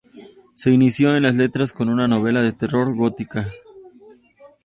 Se inició en las letras con una novela de terror gótico.